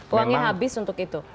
uangnya habis untuk itu